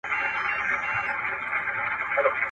شريعت د انسان د وسع مطابق حکم کوي.